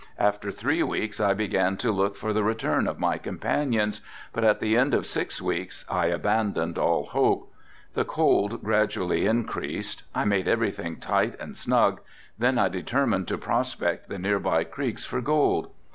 After three weeks I began to look for the return of my companions, but at the end of six weeks I abandoned all hopes. The cold gradually increased. I made everything tight and snug, then I determined to prospect the near by creeks for gold.